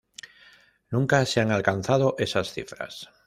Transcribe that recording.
Nunca se han alcanzado esas cifras.